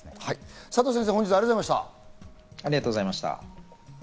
佐藤先生、本日はありがとうございました。